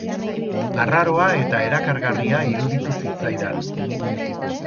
Arraroa eta erakargarria iruditu zitzaidan.